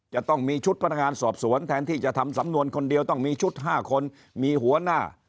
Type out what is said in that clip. จะต้องมีชุดพนักงานสอบสวนแทนที่จะทำสำนวนคนเดียวต้องมีชุด๕คนมีหัวหน้า